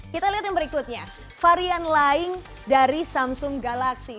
kita lihat yang berikutnya varian lain dari samsung galaxy